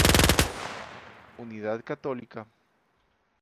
Unidad católica.